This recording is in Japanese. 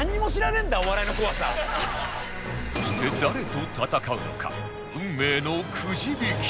そして誰と戦うのか運命のくじ引き